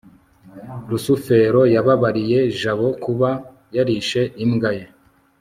rusufero yababariye jabo kuba yarishe imbwa ye